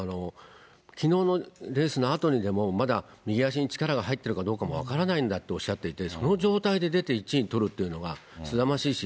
きのうのレースのあとにでも、まだ右足に力が入ってるかどうかも分からないんだっておっしゃっていて、その状態で出て１位取るというのは、すさまじいし。